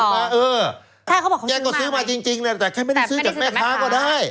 แกก็ซื้อมาจริงแต่แค่ไม่ได้ซื้อจากแม่ค้าก็ได้